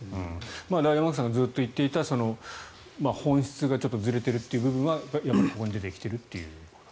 山口さんがずっと言っていた本質がずれているという部分はここに出てきていると。